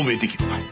はい。